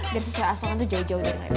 dan cewek asalan tuh jauh jauh dari my prince